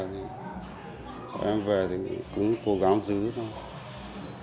bà em về thì cũng cố gắng giữ thôi